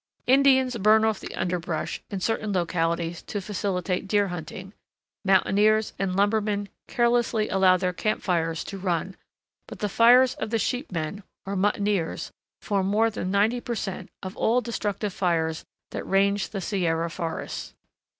Indians burn off the underbrush in certain localities to facilitate deer hunting, mountaineers and lumbermen carelessly allow their camp fires to run; but the fires of the sheepmen, or muttoneers, form more than ninety per cent. of all destructive fires that range the Sierra forests.